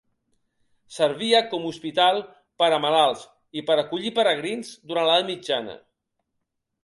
Servia com hospital per a malalts i per acollir peregrins durant l'Edat Mitjana.